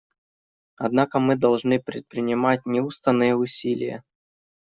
Однако мы должны предпринимать неустанные усилия.